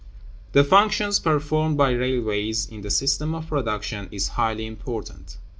The functions performed by railways in the system of production is highly important.